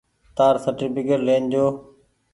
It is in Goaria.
تآر سرٽيڦڪيٽ لين جو۔